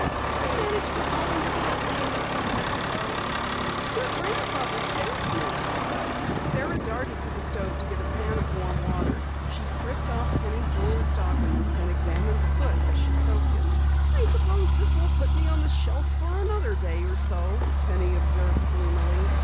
"I managed to fall into the ravine a few minutes ago. Your grandfather saved me." Sara darted to the stove to get a pan of warm water. She stripped off Penny's woolen stockings and examined the foot as she soaked it. "I suppose this will put me on the shelf for another day or so," Penny observed gloomily.